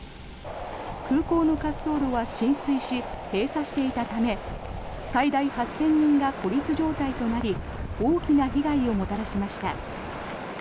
空港の滑走路は浸水し閉鎖していたため最大８０００人が孤立状態となり大きな被害をもたらしました。